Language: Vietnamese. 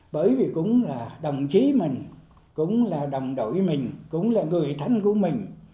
bởi vì cũng là đồng chí mình cũng là đồng đội mình cũng là người thân của mình